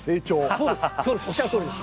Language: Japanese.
そうです。